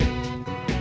sepertinya situ haus